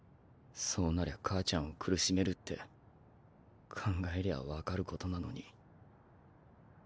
そうなりゃ母ちゃんを苦しめるって考えりゃわかることなのに。